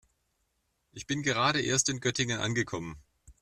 Ich bin gerade erst in Göttingen angekommen